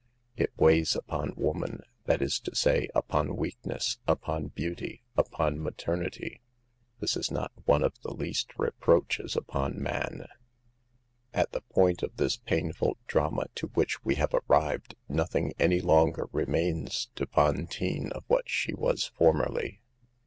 " It weighs upon woman, that is to say, upon weakness, upon beauty, upon maternity. This is not one of the least reproaches upon man. ^ At the point of this painful drama to which we have arrived, nothing any longer re mains to Fantine of what she was formerly.